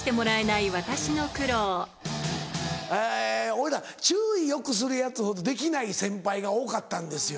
おいら注意よくするヤツほどできない先輩が多かったんですよ。